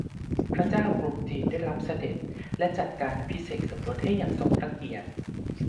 พระเจ้ากรุงจีนได้รับเสด็จและจัดการอภิเษกสมรสให้อย่างสมพระเกียรติ